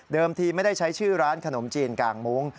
ทีไม่ได้ใช้ชื่อร้านขนมจีนกางมุ้ง